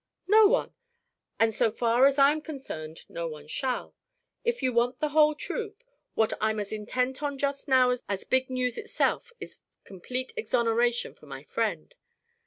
"No one; and so far as I am concerned no one shall. If you want the whole truth, what I'm as intent on just now as big news itself is complete exoneration for my friend.